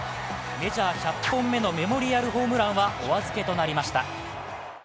メジャー１００本目のメモリアルホームランはお預けとなりました。